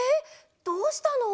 どうしたの？